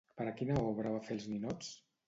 Per a quina obra va fer els ninots?